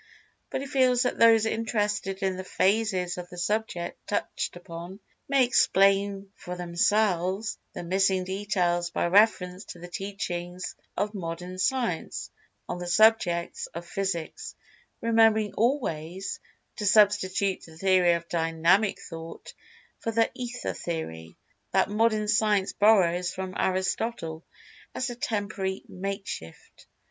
But, he feels that those interested in the phases of the subject touched upon, may explain for themselves the missing details by reference to the teachings of Modern Science on the subjects of Physics, remembering, always, to substitute the Theory of Dynamic Thought for the "Ether" theory that Modern Science borrows from Aristotle as a temporary "makeshift."